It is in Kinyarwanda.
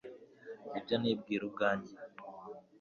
nibyo nibwira ubwanjye